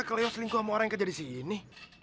keleos lingkuh sama orang yang kejar di sini